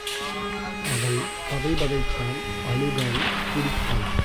அவள் பதைபதைத்தாள், அழுதாள், துடித்தாள்.